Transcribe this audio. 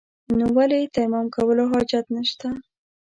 نو ولې يې تيمم کولو حاجت نشته.